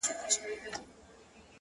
شراب ترخه ترخو ته دي و موږ ته خواږه